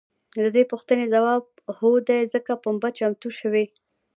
د دې پوښتنې ځواب هو دی ځکه پنبه چمتو شوې.